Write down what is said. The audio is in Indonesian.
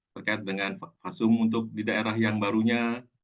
terkait dengan kasum untuk di daerah yang barunya